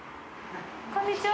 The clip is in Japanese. こんにちは。